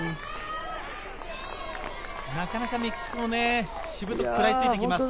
なかなかメキシコもしぶとく食らいついてきますね。